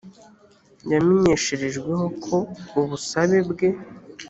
yamenyesherejweho ko ubusabe bwe